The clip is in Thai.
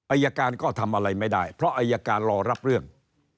อายการก็ทำอะไรไม่ได้เพราะอายการรอรับเรื่อง